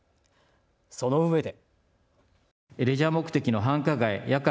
そのうえで。